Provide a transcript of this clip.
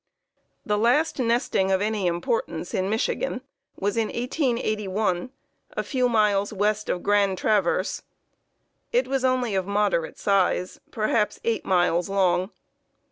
"The last nesting of any importance in Michigan was in 1881, a few miles west of Grand Traverse. It was only of moderate size, perhaps 8 miles long.